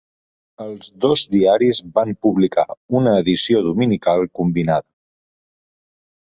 Els dos diaris van publicar una edició dominical combinada.